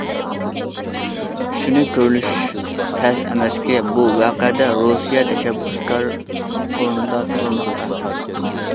شۇنى كۆرۈۋېلىش تەس ئەمەسكى، بۇ ۋەقەدە رۇسىيە تەشەببۇسكار ئورۇندا تۇرماقتا.